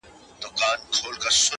په موږ کي بند دی ـ